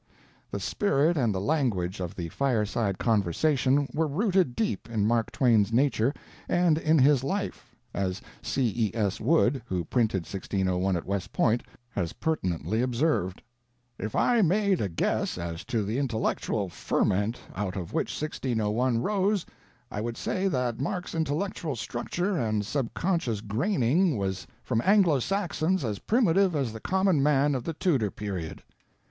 The spirit and the language of the Fireside Conversation were rooted deep in Mark Twain's nature and in his life, as C. E. S. Wood, who printed 1601 at West Point, has pertinently observed, "If I made a guess as to the intellectual ferment out of which 1601 rose I would say that Mark's intellectual structure and subconscious graining was from Anglo Saxons as primitive as the common man of the Tudor period.